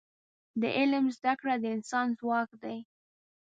د علم زده کړه د انسان ځواک دی.